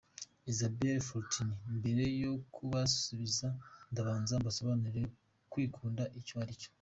Isabelle Fortin : Mbere yo kubasubiza, ndabanza mbasobanurire kwikunda icyo aricyo.